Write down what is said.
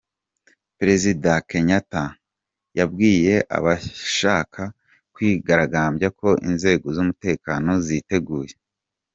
Perezida Kenyatta yabwiye abashaka kwigaragambya ko inzego z’umutekano ziteguye.